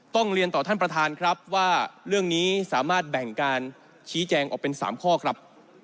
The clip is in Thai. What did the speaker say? เรียนต่อท่านประธานครับว่าเรื่องนี้สามารถแบ่งการชี้แจงออกเป็น๓ข้อครับ